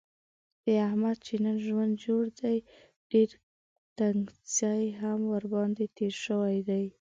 د احمد چې نن ژوند جوړ دی، ډېر تنګڅۍ هم ورباندې تېرې شوي دي.